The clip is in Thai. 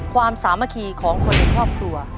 สามัคคีของคนในครอบครัว